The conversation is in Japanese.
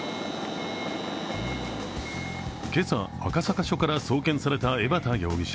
今朝、赤坂署から送検された江畑容疑者。